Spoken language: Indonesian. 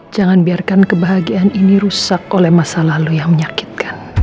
jangan biarkan kebahagiaan ini rusak oleh masa lalu yang menyakitkan